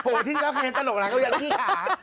โอ้โหที่รับคำเช็ดตลกหลังก็วิ่งที่ขา